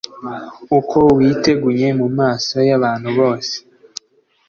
uko witegunye mu maso y'abantu bose,